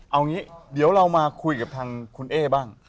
เอางี้เดี๋ยวเรามาคุยกับทางคุณเอ๊บ้าง